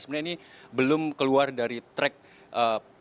sebenarnya ini belum keluar dari track